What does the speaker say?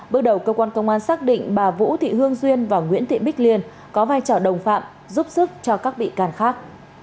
bước đầu cơ quan công an xác định bà vũ thị hương duyên và nguyễn thị bích liên có vai trò đồng phạm giúp sức cho các bị can khác